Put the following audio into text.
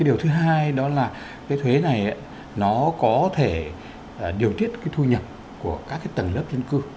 điều thứ hai đó là thuế này có thể điều tiết thu nhập của các tầng lớp dân cư